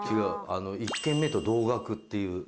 １軒目と同額っていう。